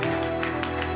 remanjai kan sekarang